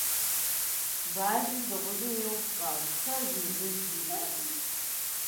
Бажэр дыгъужьым еупщӏащ: - Пэж мыбы жиӏэр?